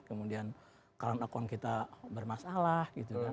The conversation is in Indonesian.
kemudian current account kita bermasalah